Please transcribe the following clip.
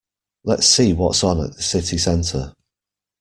Let's see what's on at the city centre